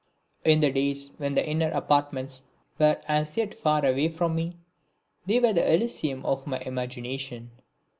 In the days when the inner apartments were as yet far away from me, they were the elysium of my imagination.